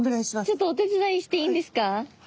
ちょっとお手伝いしていいんですか？